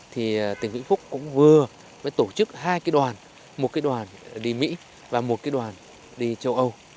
thì tỉnh vĩnh phúc cũng vừa mới tổ chức hai cái đoàn một cái đoàn đi mỹ và một cái đoàn đi châu âu